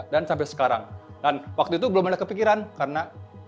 dan sampai sekarang dan waktu itu belum ada kepikiran karena